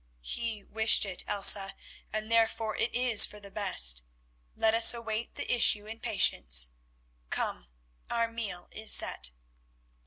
"He wished it, Elsa, therefore it is for the best; let us await the issue in patience. Come, our meal is set."